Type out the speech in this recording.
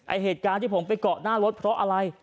เหตุการณ์ที่ผมไปเกาะหน้ารถเพราะอะไร